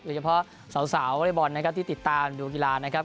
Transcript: โดยเฉพาะสาววอเล็กบอลนะครับที่ติดตามดูกีฬานะครับ